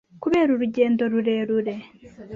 kubera urugendo rurerure,